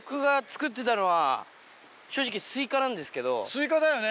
スイカだよね。